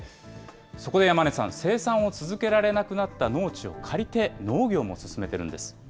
そこで山根さん、生産を続けられなくなった農地を借りて、農業も進めているんです。